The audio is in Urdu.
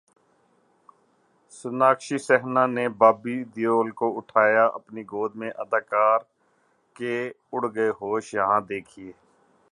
سوناکشی سنہا نے بابی دیول کو اٹھایا اپنی گود میں اداکار کے اڑ گئے ہوش، یہاں دیکھئے